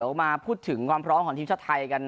เดี๋ยวมาพูดถึงความพร้อมของทีมชาติไทยกัน